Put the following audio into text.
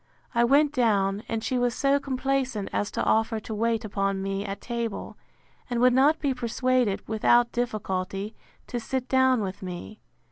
I went down, and she was so complaisant as to offer to wait upon me at table; and would not be persuaded, without difficulty, to sit down with me.